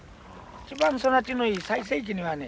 一番育ちのいい最盛期にはね